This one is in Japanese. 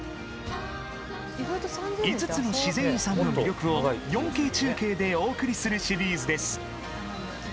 ５つの自然遺産の魅力を４Ｋ中継でお送りするシリーズです。